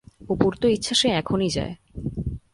অপুর তো ইচ্ছা সে এখনই যায়।